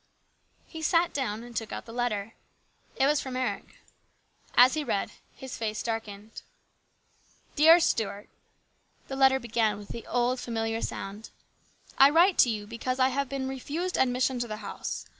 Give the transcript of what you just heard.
He sat down and took out the letter. It was from Eric. As he read, his face darkened. 28 HIS BROTHER'S KEEPER. " Dear Stuart," the letter began with the old familiar sound, " I write to you because I have been refused admission to the house.